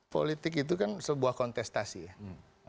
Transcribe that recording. politik itu kan sebuah kontestasi ya